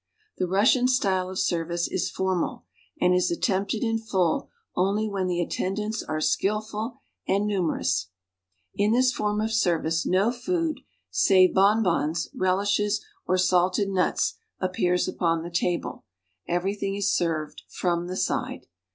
The Russian style of service is formal, and is attempted in full only when the attendants are skillful and numerous. In this form of service no food — save bonbons, relishes or salted iuit.s — appears upon the table — everything is served "from the side."